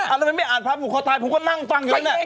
แล้วมันไม่อ่านพระบุคคลตายผมก็นั่งฟังอยู่นั่น